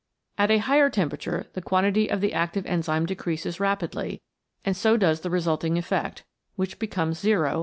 At a higher temperature the quantity of the active enzyme decreases rapidly, and so does the re sulting effect, which becomes o at 70 degrees.